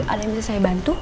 ada yang bisa saya bantu